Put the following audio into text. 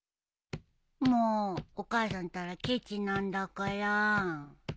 もうお母さんったらケチなんだから。